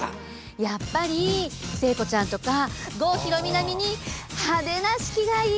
やっぱり聖子ちゃんとか郷ひろみ並みにハデな式がいい！